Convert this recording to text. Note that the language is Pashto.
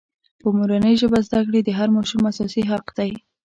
په مورنۍ ژبه زدکړې د هر ماشوم اساسي حق دی.